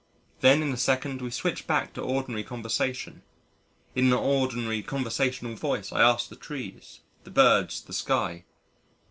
Then in a second we switch back to ordinary conversation. In an ordinary conversational voice I ask the trees, the birds, the sky.